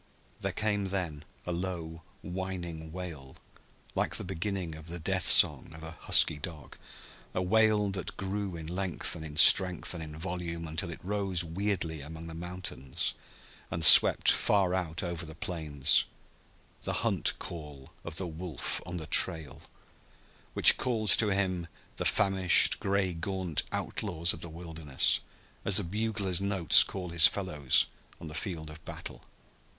There came then a low, whining wail, like the beginning of the "death song" of a husky dog a wail that grew in length and in strength and in volume until it rose weirdly among the mountains and swept far out over the plains the hunt call of the wolf on the trail, which calls to him the famished, gray gaunt outlaws of the wilderness, as the bugler's notes call his fellows on the field of battle.